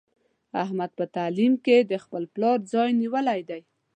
احمد په تعلیم کې د خپل پلار ځای نیولی دی.